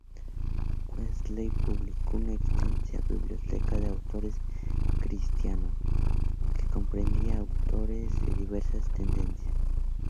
Wesley publicó una extensa biblioteca de autores cristianos, que comprendía autores de diversas tendencias.